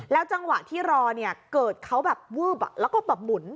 จังหวะที่รอเนี่ยเกิดเขาแบบวืบแล้วก็แบบหมุน